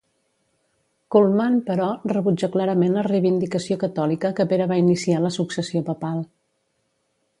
Cullmann, però, rebutja clarament la reivindicació catòlica que Pere va iniciar la successió papal.